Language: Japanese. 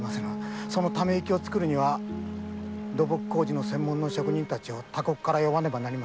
その溜め池を作るには土木工事専門の職人を他国から呼ばねばなりません。